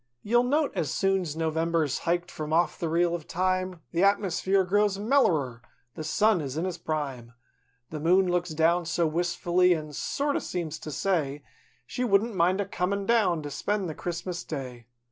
215 You'll note, as soon's November's hiked from off the reel of Time, The atmosphere grows mellerer; the Sun is in his prime; / The Moon looks down so wistfully an' sort o' seems to say She wouldn't mind a comin' down to spend the Christmas Day.